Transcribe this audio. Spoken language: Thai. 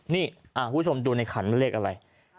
นี่อ่าพู้ชมดูในขันเลขอะไร